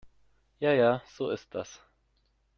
Ja ja, so ist das.